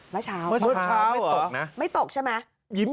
เมื่อเช้าไม่ตกนะไม่ตกใช่ไหม